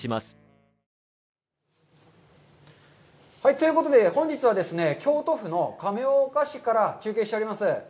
ということで、本日はですね、京都府の亀岡市から中継しております。